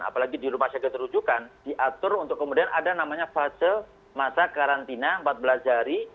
apalagi di rumah sakit terujukan diatur untuk kemudian ada namanya fase masa karantina empat belas hari